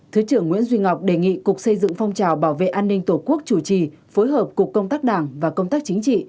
thứ trưởng nguyễn duy ngọc đề nghị cục xây dựng phong trào bảo vệ an ninh tổ quốc chủ trì phối hợp cục công tác đảng và công tác chính trị